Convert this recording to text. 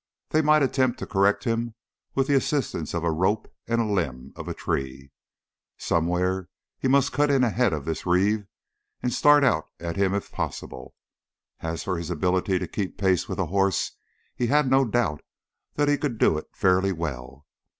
They might attempt to correct him with the assistance of a rope and a limb of a tree. Somewhere he must cut in ahead of this Reeve and start out at him if possible. As for his ability to keep pace with a horse he had no doubt that he could do it fairly well.